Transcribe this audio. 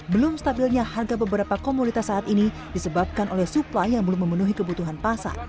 belum stabilnya harga beberapa komunitas saat ini disebabkan oleh suplai yang belum memenuhi kebutuhan pasar